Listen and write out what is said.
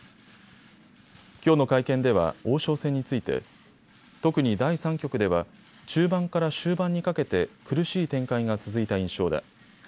きょうの会見では王将戦について特に第３局では中盤から終盤にかけて苦しい展開が続いた印象だ。